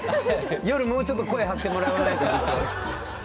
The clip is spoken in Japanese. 夜もうちょっと声張ってもらわないとちょっと。